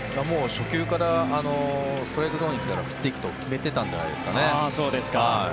初球からストレートゾーンに来たら振っていくと決めていたんじゃないですかね。